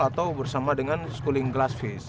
atau bersama dengan skulling glassfish